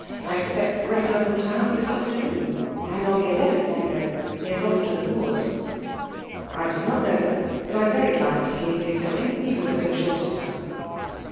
I expect Greta from town this afternoon ; and on the 11th, you know> he is off to the Moors.*' « I did not know :— but I am very glad to hear he is coming, even for so short a time.